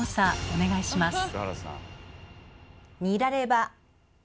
お願いします。